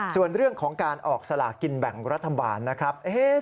ส่วนเรื่องของการออกสลากินแบ่งรัฐบาลนะครับ